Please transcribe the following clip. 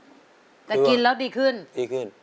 อเรนนี่ส์แต่กินแล้วดีขึ้นอเจมส์ดีขึ้น